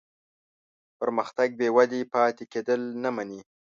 پرمختګ بېودې پاتې کېدل نه مني.